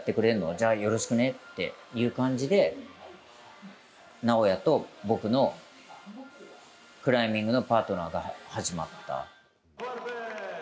じゃあ、よろしくねっていう感じでナオヤと僕のクライミングのパートナーが始まった。